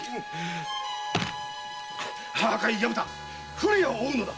古谷を追うのだ！